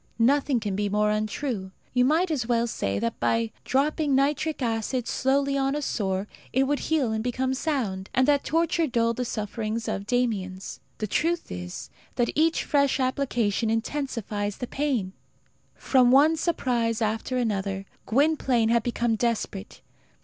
Nothing can be more untrue. You might as well say that by dropping nitric acid slowly on a sore it would heal and become sound, and that torture dulled the sufferings of Damiens. The truth is, that each fresh application intensifies the pain. From one surprise after another, Gwynplaine had become desperate.